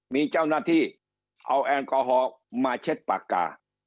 มีเจ้าหน้าที่เอาแอลกอฮอล์มาเช็ดปากกา